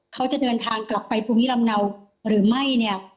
เขาจะเดินทางกลับไปภูมิลำเนาหรือไม่เนี่ย